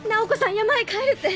山へ帰るって！